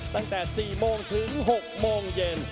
ตั้งแต่๔โมงถึง๖โมงเย็น